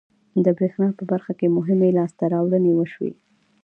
د بریښنا په برخه کې مهمې لاسته راوړنې وشوې.